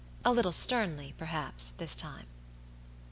A little sternly, perhaps, this time.